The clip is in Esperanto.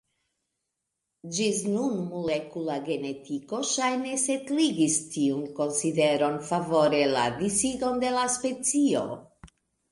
Ĝis nun molekula genetiko ŝajne setligis tiun konsideron favore la disigon de la specio.